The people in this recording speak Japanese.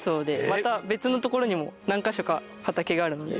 また別の所にも何カ所か畑があるので。